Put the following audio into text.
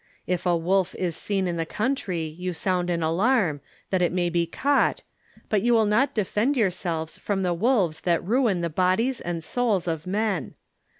If a wolf is seen in the country, you sound an alarm, that it may be caught, but you will not de fend yourselves from the wolves that ruin the bodies and souls of men.